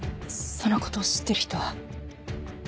そのことを知ってる人は？